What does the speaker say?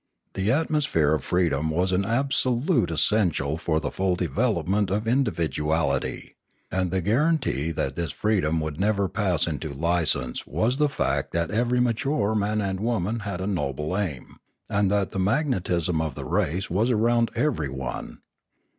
The atmosphere of freedom was an absolute essential for the full development of indi viduality; and the guaranty that this freedom would never pass into license was the fact that every mature man and woman had a noble aim, and that the magnet ism of the race was around everyone.